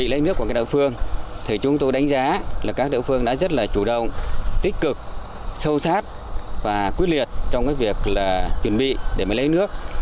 lấy nước của các đạo phương chúng tôi đánh giá là các địa phương đã rất là chủ động tích cực sâu sát và quyết liệt trong việc chuẩn bị để lấy nước